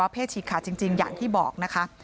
พฤติกรรมจริงอย่างที่บอกนะคะ